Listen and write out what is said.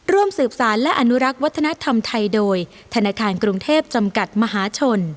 ร่วมสืบสารและอนุรักษ์วัฒนธรรมไทยโดยธนาคารกรุงเทพจำกัดมหาชน